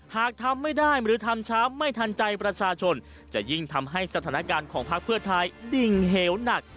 หากทำไม่ได้หรือทำช้าไม่ทันใจประชาชนจะยิ่งทำให้สถานการณ์ของพักเพื่อไทยดิ่งเหวหนัก